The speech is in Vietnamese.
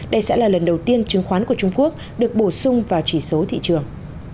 đây sẽ là lần đầu tiên chứng khoán của trung quốc được bổ sung vào chỉ số thị trường